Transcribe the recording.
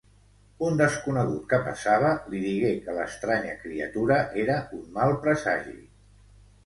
Un desconegut que passava li digué que l'estranya criatura era un mal presagi.